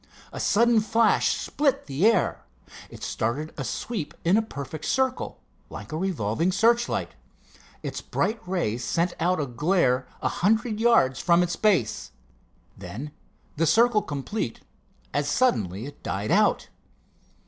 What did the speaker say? A sudden flash split the air. It started a sweep in a perfect circle, like a revolving searchlight. Its bright rays sent out a glare a hundred yards from its base. Then, the circle complete, as suddenly it died out.